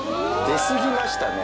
出過ぎましたね。